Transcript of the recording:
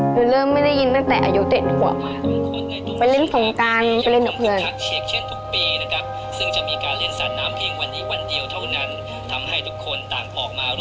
เดี๋ยวเริ่มไม่ได้ยินตั้งแต่อายุเต็ดหัว